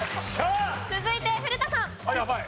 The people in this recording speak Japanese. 続いて古田さん。